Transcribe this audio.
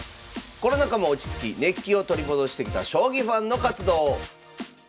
コロナ禍も落ち着き熱気を取り戻してきた将棋ファンの活動。